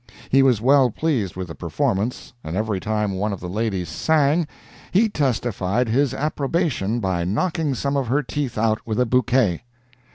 He was well pleased with the performance, and every time one of the ladies sang, he testified his approbation by knocking some of her teeth out with a bouquet.